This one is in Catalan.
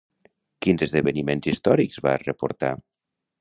Quins esdeveniments històrics va reportar?